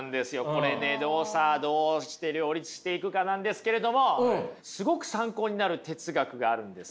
これねどうして両立していくかなんですけれどもすごく参考になる哲学があるんですよ。